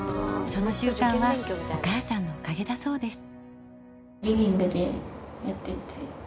その習慣はお母さんのおかげだそうです。